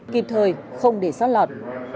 kịp thời không để sót lọt